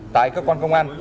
tại cơ quan công an